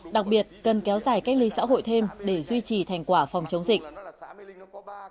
đặc biệt cần kéo dài cách ly xã hội thêm để duy trì thành quả phòng chống dịch